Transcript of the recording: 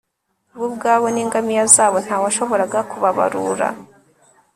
bo ubwabo n'ingamiya zabo ntawashoboraga kubabarura